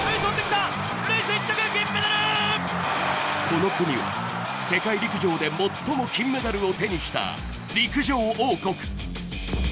この国は世界陸上で最も金メダルを手にした陸上王国。